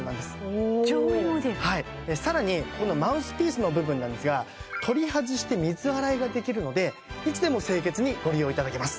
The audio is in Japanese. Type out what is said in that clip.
おお上位モデル更にここのマウスピースの部分なんですが取り外して水洗いができるのでいつでも清潔にご利用いただけます